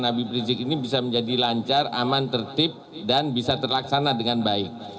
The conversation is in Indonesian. nabi berisik ini bisa menjadi lancar aman tertib dan bisa terlaksana dengan baik